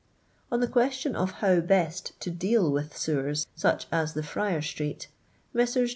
On the question of how best to deal with sewers inch ns the Friar street, Messrs.